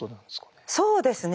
そうですね。